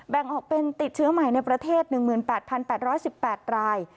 แบ่งออกเป็นติดเชื้อใหม่ในประเทศ๑๘๘๑๘ราย